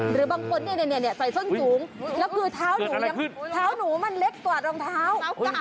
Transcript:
หรือบางคนใส่ส้นจูงแล้วคือเท้าหนูมันเล็กกว่ารองเท้า